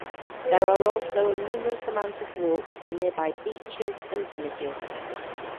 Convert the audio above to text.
There are also a numerous amount of walks to nearby beaches and villages.